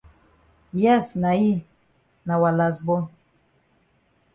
Yes na yi, na wa las bon.